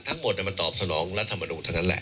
ทั้งหมดมันตอบสนองรัฐธรรมดุทั้งนั้นแหละ